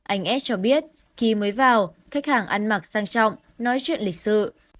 anh ed cho biết khi mới vào khách hàng ăn mặc sang trọng nói chuyện lịch sự